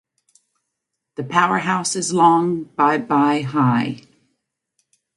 The power house is long by by high.